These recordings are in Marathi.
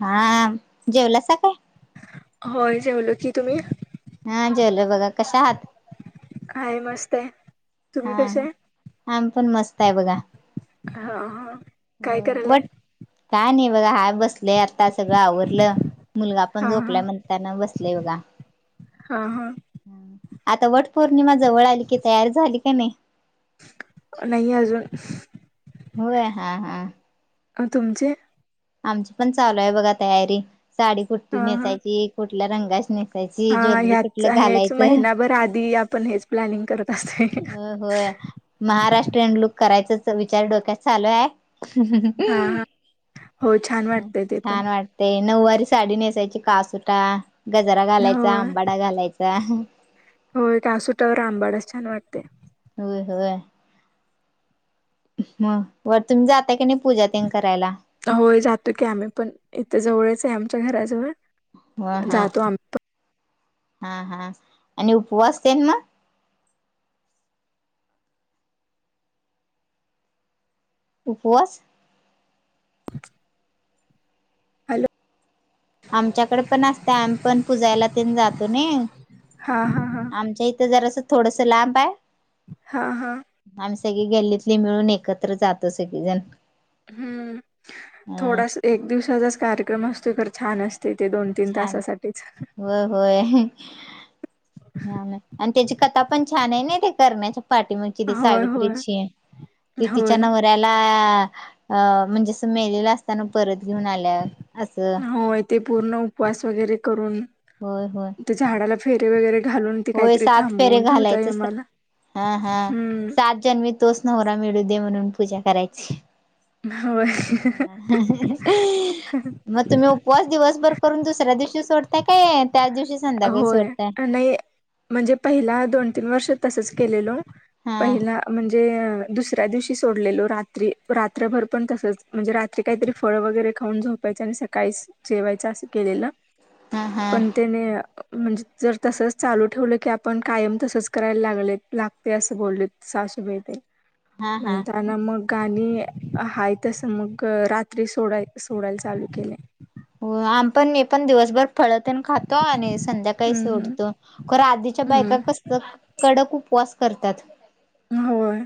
हाआ जेवलासा काय? होय जवलो की तुमी हा जेवलो बगा कशा हाआत हाय मस्त हाय हा हा आमी पण मस्त हाय बघा हा हा काय करलाय? वट काय नई बघा हाय बसलोय आता सगळं आवरलं मुलगा पण हा हा झोपलाय म्हणताना बसलोय बगा हा हा आता वट पौर्णिमा जवळ आली की तयार झाली काय नइ नइ अजून होय हा हा अ तुमची आमची पण चालू हाय बगा तयारी साडी कुठली हा हा नेसाची कुठल्या रंगाची ने हा ह्याच हेच महिनाभर आधी आपण हेच प्लॅनिंग करत असोय ह् हो होय महाराष्ट्रयन लुक करायचाच विचार डोक्यात चालू हाय हा हा हम्् हो छान हम वाटतय ते पण छान वाटतय नऊवार साडी नेसायची कासुटा गजरा घालायचा होय आंबाडा घालायचा ह होय कासुट्यावर आंबाडाच छान वाटतयं वय मग वर तुमी जाताय कनी होय जातो की आमी पण इथे जवळचं हाय आमच्या घराजवळ ह हा जातो आमप हा हा आणि उपवासतेन मग उपवास हॅलो आमच्याकडे पण असतय आमी पण पुजायला तेन जातो नइ हा हा हा आमच्या इथे जरास थोडस लांब हाय ह ह सगळी गल्लीतली मिळून एकत्र जातो सगळीजण हम्म अ थोडास एक दिवसाचाच कार्यक्रम असतो तर छान असत तिथे दोन तीन छान तासासाठीच होय होय आणि त्याची कथा पण छान आहे ना ते करण्याच्या पाठीमागची ती होय होय सावित्रीची तिच्या होय नवऱ्याला का म्हणजे अस मेलेलं असताना परत घेऊन आल्या असं होय ते पूर्ण उपवास वगैरे करून होय होय ते झाडाला फेरे वगैर होय सात फेरे घालायच मला हा हा हम्म सात जन्मी तोच नवरा मिळू दे म्हणून पूजा करायची होय मग तुम्ही उपवास दिवसभर करून दुसऱ्या दिवशी सोडतय काय त्याच दिवशी संध्याकाळी होय सोडतय नाही म्हणजे पहिला दोन तीन वर्ष तसच केलेलो हा पहिला दुसऱ्या दिवशी सोडलेलो रात्री रात्रभर पण तसच म्हणजे रात्री काहीतरी फळ वगैरे खाऊन झोपायच आणि सकाळी जेवायच अस केलेलं हा हा पण त्याने म्हणजे जर तसंच चालू ठेवलं की आपण कायम तसंच करायला लागते असं बोलले हा हा [unintelligible] हाय तसं मग रात्री सोडाय सोडायला चालू केलेय हो आम्ही पण मी पण दिवसभर फळतेन खातो आणि संध्याकाळी हम्म हम्म. सोडतो खर आधीच्या बायका हम्म कसलं कडक उपवास करतात होय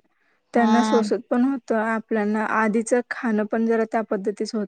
त्यांना हा सोसत पण होत तर आपल्याना आधीचं खाणं पण जरा त्या पद्धतीच होत